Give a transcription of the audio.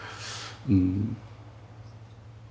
うん。